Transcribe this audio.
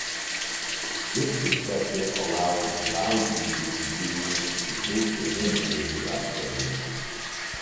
This perspective allows Laozi to experience the taste of vinegar without judging it.